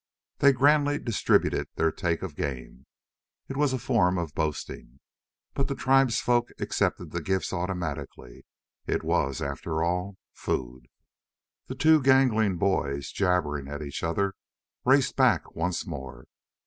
They grandly distributed their take of game. It was a form of boasting. But the tribesfolk accepted the gifts automatically. It was, after all, food. The two gangling boys, jabbering at each other, raced back once more.